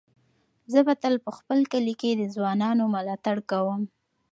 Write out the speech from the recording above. زه به تل په خپل کلي کې د ځوانانو ملاتړ کوم.